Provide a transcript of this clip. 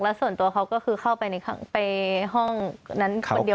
แล้วส่วนตัวเขาก็คือเข้าไปห้องนั้นคนเดียว